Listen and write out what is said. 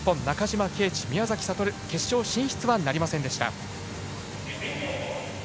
中島啓智、宮崎は決勝進出とはなりませんでした。